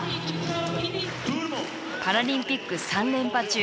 パラリンピック３連覇中。